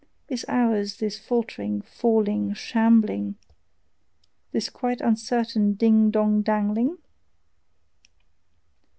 Is ours this faltering, falling, shambling, This quite uncertain ding dong dangling?